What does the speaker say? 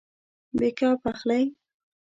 بیک اپ اخلئ؟